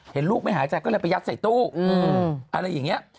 ลูกไม่หายใจก็เลยไปยัดใส่ตู้อะไรอย่างนี้